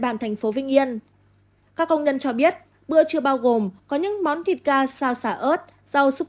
bàn tp vinh yên các công nhân cho biết bữa trưa bao gồm có những món thịt ga xào xả ớt rau súp